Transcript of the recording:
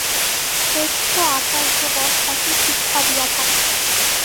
শ্রেষ্ঠ আচার্যগণ একই শিক্ষা দিয়া থাকেন।